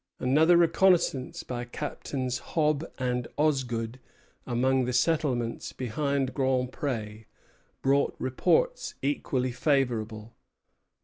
Another reconnoissance by Captains Hobbs and Osgood among the settlements behind Grand Pré brought reports equally favorable.